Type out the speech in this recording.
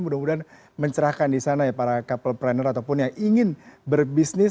mudah mudahan mencerahkan di sana ya para couple planner ataupun yang ingin berbisnis